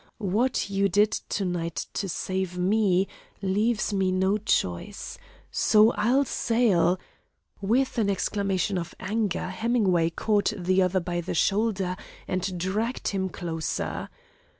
What you did to night to save me, leaves me no choice. So, I'll sail " With an exclamation of anger, Hemingway caught the other by the shoulder and dragged him closer.